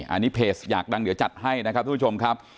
อันนี้เพจอยากดังเดี๋ยวจัดให้นะครับทุกผู้ชมครับ